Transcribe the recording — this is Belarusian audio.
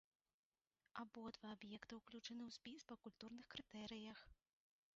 Абодва аб'екта ўключаны ў спіс па культурных крытэрыях.